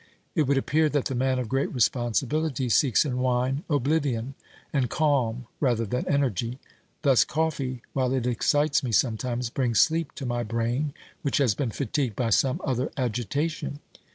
It would appear that the man of great responsibilities seeks in wine oblivion and calm rather than energy — thus coffee, while it excites me sometimes, brings sleep to my brain, which has been fatigued by some other agitation.